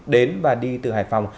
đến và đi từ hải phòng